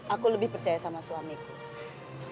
aku lebih percaya sama suamiku